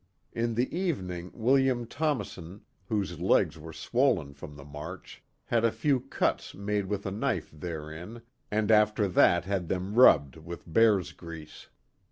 In the evening William Tomassen, whose legs were swollen from the march, had a few cuts made with a knife therein, and after that had them rubbed with bear's grease.